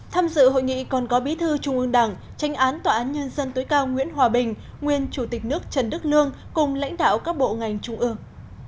tham dự hội nghị còn có bí thư trung ương đảng tranh án tòa án nhân dân tối cao nguyễn hòa bình nguyên chủ tịch nước trần đức lương cùng lãnh đạo các bộ ngành trung ương